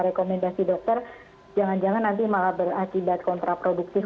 rekomendasi dokter jangan jangan nanti malah berakibat kontraproduktif